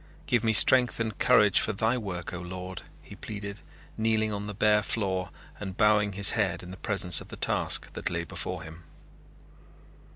"Give me strength and courage for Thy work, O Lord!" he pleaded, kneeling on the bare floor and bowing his head in the presence of the task that lay before him.